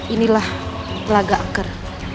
inilah lagak akar